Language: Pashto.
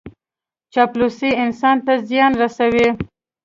چاپلوسي انسان ته زیان رسوي.